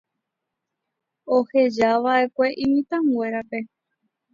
Ohejava'ekue imitãnguérape.